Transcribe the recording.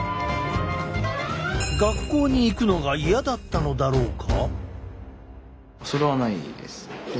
学校に行くのがイヤだったのだろうか？